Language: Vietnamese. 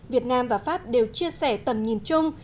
việt nam và pháp đều chia sẻ tầm nhìn chung